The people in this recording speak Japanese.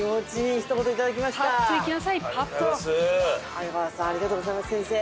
阿川さんありがとうございます先生。